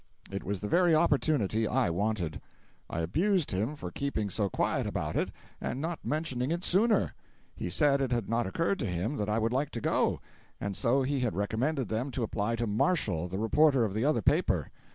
It was the very opportunity I wanted. I abused him for keeping so quiet about it, and not mentioning it sooner. He said it had not occurred to him that I would like to go, and so he had recommended them to apply to Marshall, the reporter of the other paper.